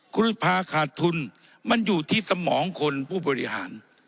คุณภาคขาดทุนมันอยู่ที่สมองคนผู้บริหาร